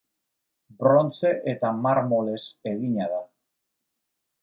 Brontze eta marmolez egina da.